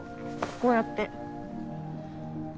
こうやって。